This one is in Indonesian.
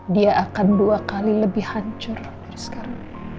dia akan dua kali lebih hancur dari sekarang